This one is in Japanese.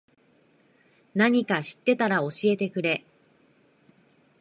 なにか知ってたら教えてくれ。